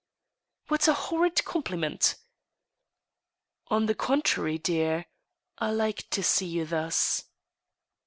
* What a horrid compliment !"" On the contrary, dear, I like to see you thus."